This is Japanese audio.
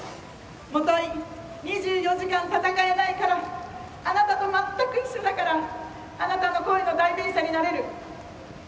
もとい２４時間戦えないからあなたと全く一緒だからあなたの声の代弁者になれる。